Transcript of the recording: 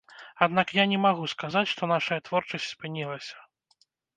Аднак я не магу сказаць, што нашая творчасць спынілася.